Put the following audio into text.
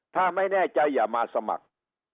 ถ้าไม่แน่ใจอย่ามาสมัคร